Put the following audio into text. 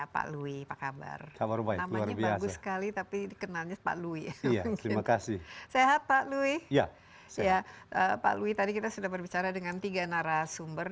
pak louis tadi kita sudah berbicara dengan tiga narasumber